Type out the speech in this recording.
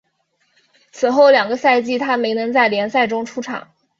此后两个赛季他没能在联赛中出场。